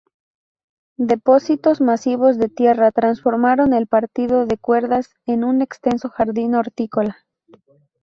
Depósitos masivos de tierra transformaron el patio de cuerdas en un extenso jardín hortícola.